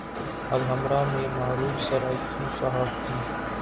الحمرا میں معروف سرائیکی صحافی